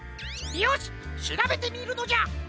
よししらべてみるのじゃ！